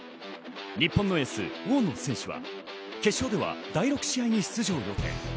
日本のエース・大野選手は決勝では第６試合に出場予定。